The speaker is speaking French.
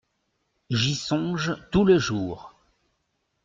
J’y songe tout le jour.